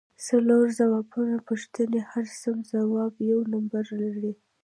څلور ځوابه پوښتنې هر سم ځواب یوه نمره لري